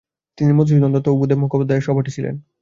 তিনি মধুসূদন দত্ত ও ভূদেব মুখোপাধ্যায় এর সহপাঠী ছিলেন।